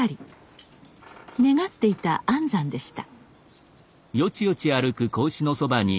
願っていた安産でした。